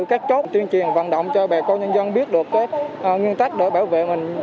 các chốt tuyên truyền vận động cho bà cô nhân dân biết được nguyên tắc đổi bảo vệ mình